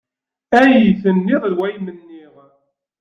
Ay tenniḍ d way m-nniɣ.